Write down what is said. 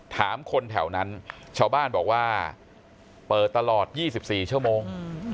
ถามคนแถวนั้นชาวบ้านบอกว่าเปิดตลอด๒๔ชั่วโมง